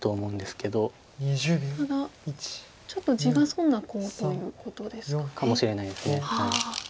ただちょっと地が損なコウということですかね。かもしれないです。